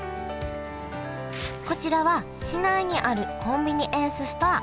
こちらは市内にあるコンビニエンスストア